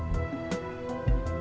saya juga ingin mencoba